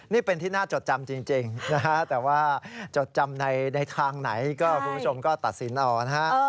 นี่เป็นที่น่าจดจำจริงนะฮะแต่ว่าจดจำในทางไหนก็คุณผู้ชมก็ตัดสินเอานะฮะ